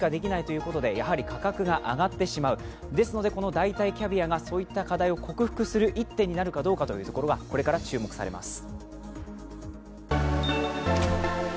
代替キャビアがそういった課題を克服する一手になるかがこれから注目されます。